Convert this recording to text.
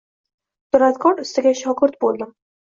Duradgor ustaga shogird boʻldim.